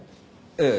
ええ。